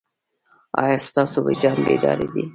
ایا ستاسو وجدان بیدار دی؟